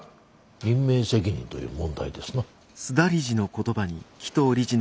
任命責任という問題ですな。